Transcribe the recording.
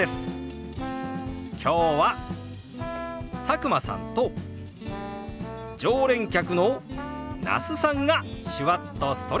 今日は佐久間さんと常連客の那須さんが手話っとストレッチ！